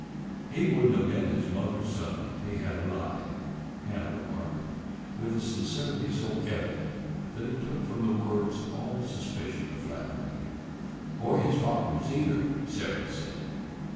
"He would n't 'a' been his mother's son if he had 'a' lied," Hannah remarked, with a sincerity so evident that it took from the words all suspicion of flattery. "Or his father's either," Sarah said.